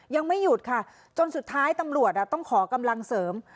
ยังไม่หยุดค่ะจนสุดท้ายตำรวจต้องขอกำลังเสริม